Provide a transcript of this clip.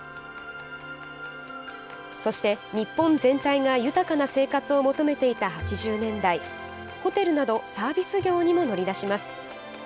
そして、日本全体が豊かな生活を求めていた８０年代ホテルなどサービス業にも乗り出します。